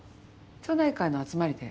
町内会の集まりで。